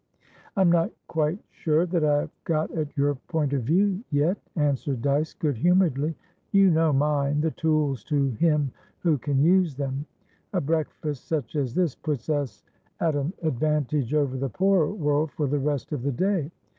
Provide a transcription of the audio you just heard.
"I'm not quite sure that I have got at your point of view yet," answered Dyce, good humouredly. "You know mine. The tools to him who can use them. A breakfast such as this puts us at an advantage over the poorer world for the rest of the day.